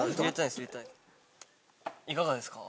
いかがですか？